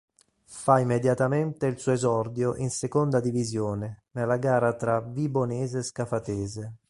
Fa immediatamente il suo esordio in Seconda Divisione, nella gara tra Vibonese-Scafatese.